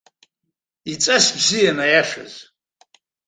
Иҵас бзиан, аиашаз.